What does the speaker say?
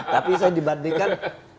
tapi saya dibandingkan